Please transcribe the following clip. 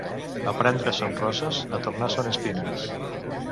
A prendre són roses, a tornar són espines.